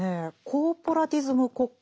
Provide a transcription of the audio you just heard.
「コーポラティズム国家」。